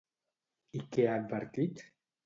I què ha advertit?